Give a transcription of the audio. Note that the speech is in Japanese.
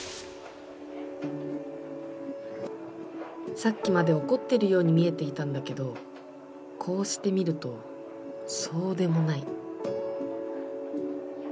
さっきまで怒ってるように見えていたんだけどこうして見るとそうでもない。